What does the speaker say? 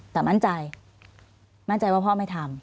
แต่มั่นใจมั่นใจว่าพ่อไม่ทำ